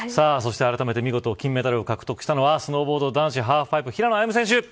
そして、あらためて見事金メダルを獲得をしたのはスノーボード男子ハーフパイプ、平野歩夢選手。